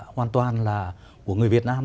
hoàn toàn là của người việt nam